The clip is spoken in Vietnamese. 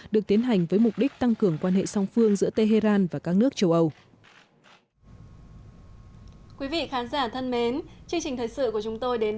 được tiến hành với mục đích tăng cường quan hệ song phương giữa tehran và các nước châu âu